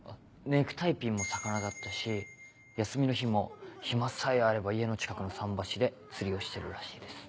ネクタイピンも魚だったし休みの日も暇さえあれば家の近くの桟橋で釣りをしてるらしいです。